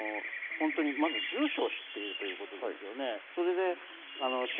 住所を知っているということですよね。